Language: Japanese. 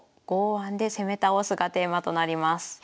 剛腕で攻め倒す」がテーマとなります。